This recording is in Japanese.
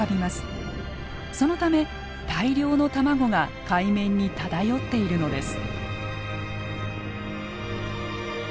そのため大量の卵が海面に漂っているのです。